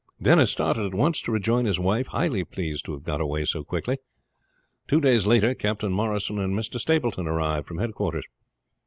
Denis started at once to rejoin his wife, highly pleased to have got away so quickly. Two days later Captain Morrison and Mr. Stapleton arrived from headquarters.